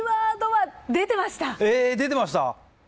え出てました？